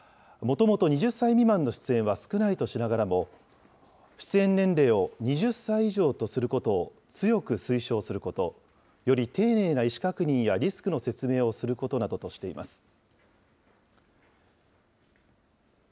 もともと２０歳未満の出演は少ないとしながらも、出演年齢を２０歳以上とすることを強く推奨すること、より丁寧な意思確認やリスクの説明をすることなどとしています。